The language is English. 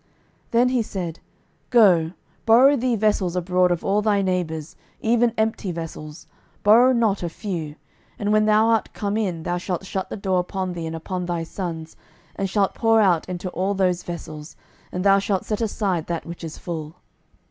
12:004:003 Then he said, Go, borrow thee vessels abroad of all thy neighbours, even empty vessels; borrow not a few. 12:004:004 And when thou art come in, thou shalt shut the door upon thee and upon thy sons, and shalt pour out into all those vessels, and thou shalt set aside that which is full.